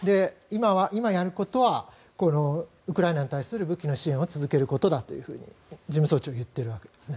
今やることはウクライナに対する武器の支援は続けることだと事務省庁は言っているわけです。